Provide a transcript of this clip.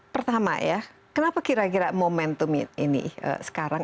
pertama ya kenapa kira kira momentum ini sekarang